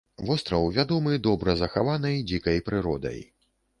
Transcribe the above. Востраў вядомы добра захаванай дзікай прыродай.